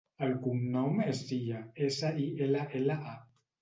El cognom és Silla: essa, i, ela, ela, a.